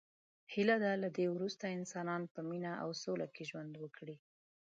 هیله ده له دی وروسته انسانان په مینه او سوله کې ژوند وکړي.